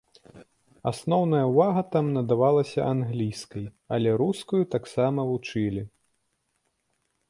Асноўная ўвага там надавалася англійскай, але рускую таксама вучылі.